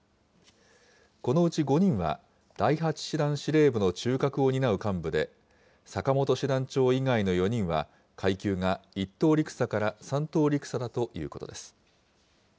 このうち５人は、第８師団司令部の中核を担う幹部で、坂本師団長以外の４人は階級が１等陸佐から３等陸佐だということです。